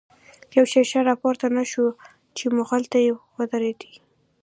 يو” شير شاه “راپورته نه شو، چی ” مغل” ته ودريږی